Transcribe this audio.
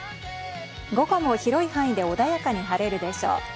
午後も広い範囲で穏やかに晴れるでしょう。